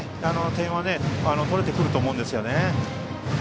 点を取れてくると思うんですよね。